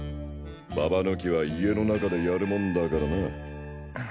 ババ抜きは家の中でやるもんだからな。